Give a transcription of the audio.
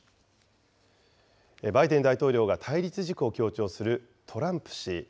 バイデン大統領が対立軸を強調するトランプ氏。